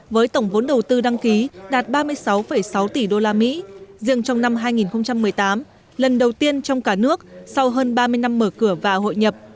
với tổng vốn đầu tư đăng ký đạt ba mươi sáu sáu tỷ usd riêng trong năm hai nghìn một mươi tám lần đầu tiên trong cả nước sau hơn ba mươi năm mở cửa và hội nhập